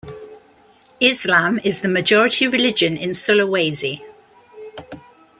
Islam is the majority religion in Sulawesi.